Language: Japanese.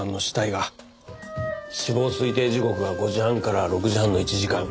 死亡推定時刻は５時半から６時半の１時間。